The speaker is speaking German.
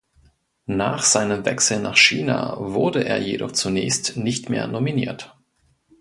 Nach seinem Wechsel nach China wurde er jedoch zunächst nicht mehr nominiert.